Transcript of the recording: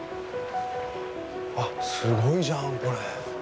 あっすごいじゃんこれ。